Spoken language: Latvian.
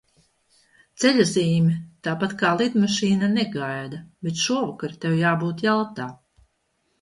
Ceļazīme, tāpat kā lidmašīna, negaida. Bet šovakar tev jābūt Jaltā.